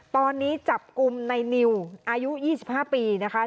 ตอนนี้จับกลุ่มในนิวอายุ๒๕ปีนะคะ